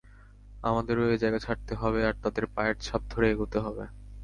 আমাদেরও এ জায়গা ছাড়তে হবে, আর তাদের পায়ের ছাপ ধরে এগোতে হবে।